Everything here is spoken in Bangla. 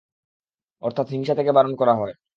অর্থাৎ হিংসা থেকে বারণ করা হয়।